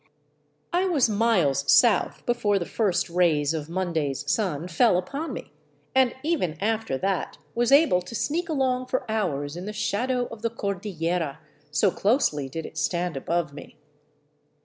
I was miles south before the first rays of Monday's sun fell upon me, and even after that was able to sneak along for hours in the shadow of the Cordillera, so closely did it stand above me.